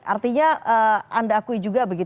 artinya anda akui juga